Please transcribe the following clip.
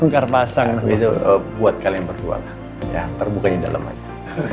karmasang buat kalian berdua terbukanya dalam aja